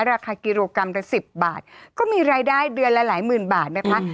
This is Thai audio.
ราคากิโลกรัมละ๑๐บาทก็มีรายได้เดือนละหลายหมื่นบาทนะคะ